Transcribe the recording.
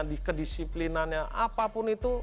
di kedisiplinannya apapun itu